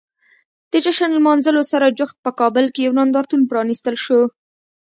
د جشن لمانځلو سره جوخت په کابل کې یو نندارتون پرانیستل شو.